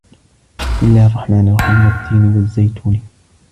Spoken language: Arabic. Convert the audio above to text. بِسمِ اللَّهِ الرَّحمنِ الرَّحيمِ وَالتّينِ وَالزَّيتونِ